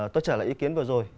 tôi trả lại ý kiến vừa rồi